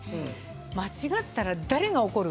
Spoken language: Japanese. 間違ったら誰が怒る？